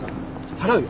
払うよ。